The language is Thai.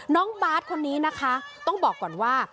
น้องบาทคนนี้นะคะต้องบอกก่อนว่า